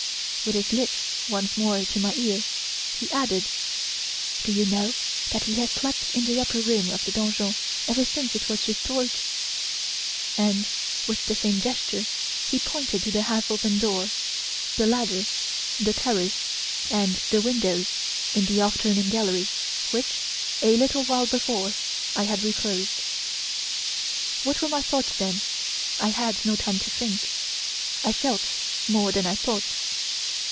With his lips once more to my ear, he added: "'Do you know that he has slept in the upper room of the donjon ever since it was restored?' And with the same gesture he pointed to the half open door, the ladder, the terrace, and the windows in the 'off turning' gallery which, a little while before, I had re closed. "What were my thoughts then? I had no time to think. I felt more than I thought.